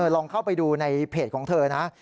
ลองเข้าไปดูในเพจของเธอนะ